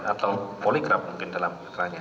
atau polygraph mungkin dalam kelainannya